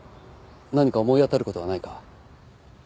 何か思い当たる事はないか？